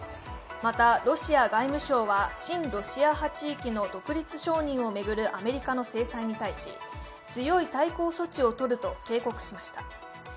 また、ロシア外務省は親ロシア派地域の独立承認を巡るアメリカの制裁に対し強い対抗措置をとると警告しました。